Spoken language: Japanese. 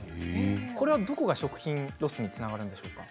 これは、どこが食品ロスにつながるんでしょうか？